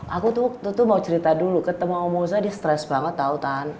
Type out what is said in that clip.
aku tuh waktu itu mau cerita dulu ketemu moza dia stress banget tau tan